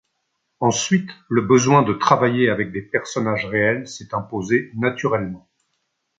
Ensuite, le besoin de travailler avec des personnages réels s'est imposé naturellement.